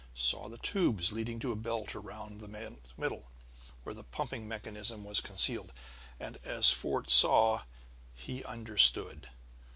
Saw the tubes, leading to a belt around the man's middle, where the pumping mechanism was concealed. And as Fort saw, he understood.